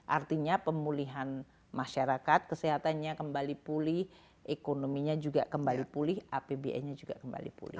artinya pemulihan masyarakat kesehatannya kembali pulih ekonominya juga kembali pulih apbn nya juga kembali pulih